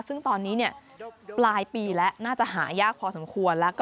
ซึ่งตอนนี้ปลายปีแล้วน่าจะหายากพอสมควร